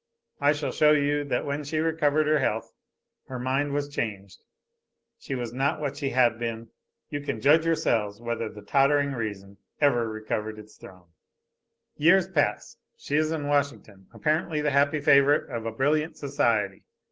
I shall show you that when she recovered her health, her mind was changed, she was not what she had been. You can judge yourselves whether the tottering reason ever recovered its throne. "Years pass. She is in Washington, apparently the happy favorite of a brilliant society.